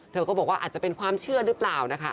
เธอก็บอกว่าอาจจะเป็นความเชื่อหรือเปล่านะคะ